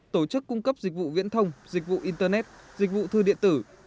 tổ chức cung cấp dịch vụ viễn thông dịch vụ internet dịch vụ thư điện tử